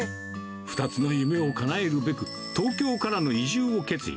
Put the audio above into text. ２つの夢をかなえるべく、東京からの移住を決意。